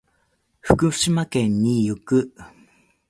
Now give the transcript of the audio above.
福島県に行く。